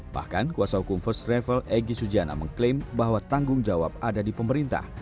bahkan kuasa hukum first travel egy sujana mengklaim bahwa tanggung jawab ada di pemerintah